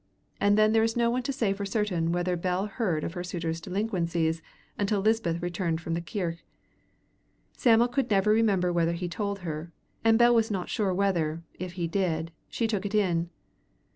And then there is no one to say for certain whether Bell heard of her suitors' delinquencies until Lisbeth's return from the kirk. Sam'l could never remember whether he told her, and Bell was not sure whether, if he did, she took it in.